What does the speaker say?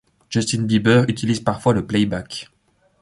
Justin Bieber utilise parfois le playback.